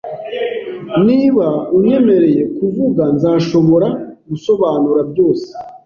Niba unyemereye kuvuga, nzashobora gusobanura byose.